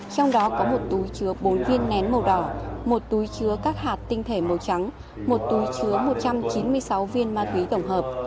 trong đó có một túi chứa bốn viên nén màu đỏ một túi chứa các hạt tinh thể màu trắng một túi chứa một trăm chín mươi sáu viên ma túy tổng hợp